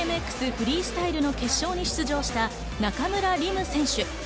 フリースタイルの決勝に出場した中村輪夢選手。